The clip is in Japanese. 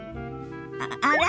あら？